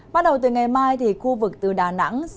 bắt đầu từ ngày mai thì khu vực từ đà nẵng